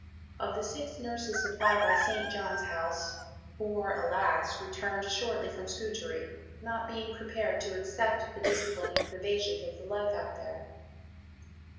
Of the six nurses supplied by St. John's House, "four, alas! returned shortly from Scutari, not being prepared to accept the discipline and privations of the life out there."